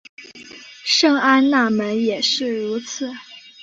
圣安娜门也是如此。